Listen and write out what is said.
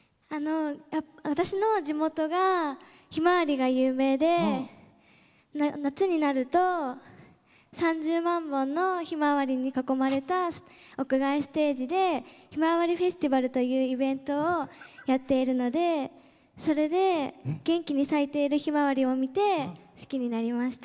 私の地元がひまわりが有名で夏になると３０万本のひまわりに囲まれた屋外ステージでひまわりフェスティバルというイベントをやっているのでそれで元気に咲いているひまわりを見て好きになりました。